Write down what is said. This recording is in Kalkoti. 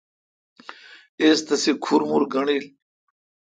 اس تسے کھر مُر گݨڈیل۔